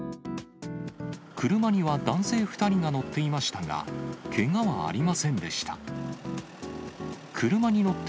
車には男性２人が乗っていましたが、けがはありませんでした。